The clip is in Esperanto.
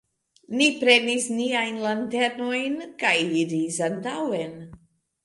Ni prenis niajn lanternojn kaj iris antaŭen.